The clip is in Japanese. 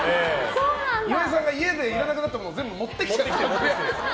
岩井さんが家でいらなくなったものを全部持ってきちゃってるんですよ。